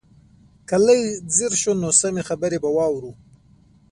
که لږ ځير شو نو سمې خبرې به واورو.